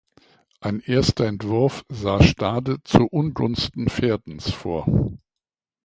Ein erster Entwurf sah Stade zuungunsten Verdens vor.